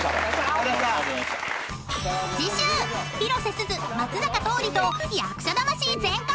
［次週広瀬すず松坂桃李と役者魂全開！］